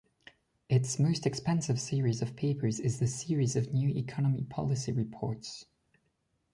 Its most extensive series of papers is the series of New Economy Policy Reports.